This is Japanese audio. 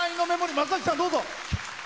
松崎さん、どうぞ。